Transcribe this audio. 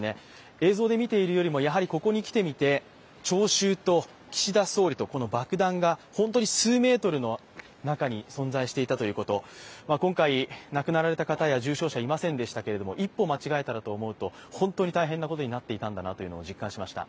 映像で見ているよりも、ここに来てみて聴衆と岸田総理と爆弾が本当に数メートルの中に存在していたこと、今回、亡くなられた方は重傷者はいませんでしたが、一歩間違えていたらと思うと、ほんとうに大変なことになっていたんだなということを実感しました。